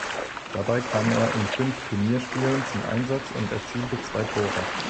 Dabei kam er in fünf Turnierspielen zum Einsatz und erzielte zwei Tore.